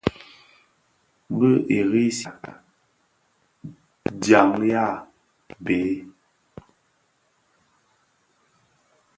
Bu i resihà dyangdyag béé.